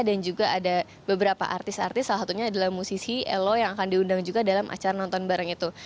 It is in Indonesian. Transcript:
dan juga ada beberapa artis artis salah satunya adalah musisi elo yang akan diundang juga dalam acara nonton bareng itu